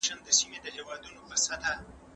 زه نه پوهېږم چې څه وخت شروع وکړم.